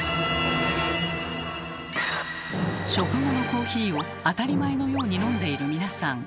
食後のコーヒーを当たり前のように飲んでいる皆さん。